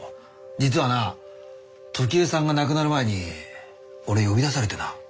実はなトキエさんが亡くなる前に俺呼び出されてな。